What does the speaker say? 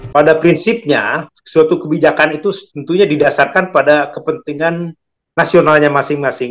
pada prinsipnya suatu kebijakan itu tentunya didasarkan pada kepentingan nasionalnya masing masing